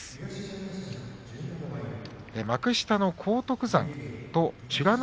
幕下の荒篤山と美ノ